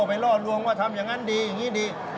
ไปล่อลวงว่าทำอย่างนั้นดีอย่างนี้ดี